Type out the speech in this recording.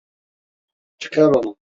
Çıkar onu!